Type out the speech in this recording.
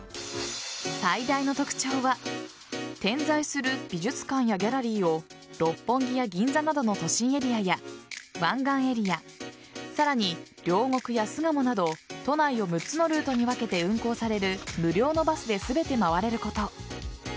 最大の特徴は点在する美術館やギャラリーを六本木や銀座などの都心エリアや湾岸エリアさらに両国や巣鴨など都内の６つのルートに分けて運行される無料のバスで全て回れること。